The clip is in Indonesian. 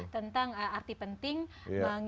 tentang arti penting mengikuti asuransi